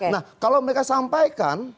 nah kalau mereka sampaikan